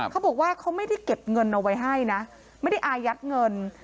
เขาบอกว่าเขาไม่ได้เก็บเงินเอาไว้ให้นะไม่ได้อายัดเงิน